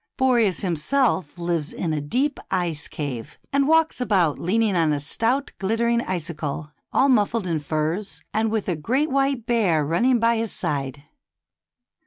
Boreas himself lives in a deep ice cave, and walks A WINDY STORY. 83 about leaning on a stout, glittering icicle all muffled in furs, and with a great w^hite bear running by his side.